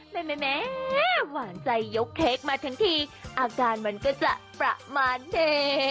แม่หวานใจยกเค้กมาทั้งทีอาการมันก็จะประมาณเฮ